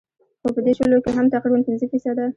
خو پۀ دې شلو کښې هم تقريباً پنځه فيصده